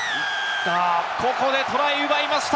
ここでトライ奪いました！